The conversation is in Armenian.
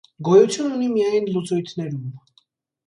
Գոյություն ունի միայն լուծույթներում։